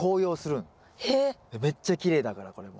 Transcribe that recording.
めっちゃきれいだからこれも。